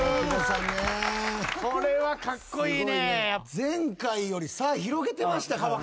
前回より差広げてましたからね。